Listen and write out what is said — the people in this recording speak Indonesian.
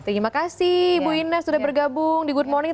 terima kasih ibu ina sudah bergabung di good morning